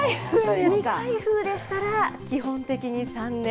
未開封でしたら、基本的に３年。